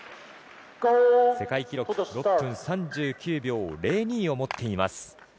世界記録６分３９秒０２を持っています。